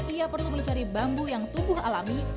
ia perlu mencari bambu yang tubuh alami